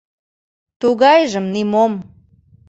Тугайжым нимом.